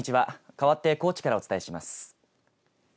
かわって高知からお伝えします。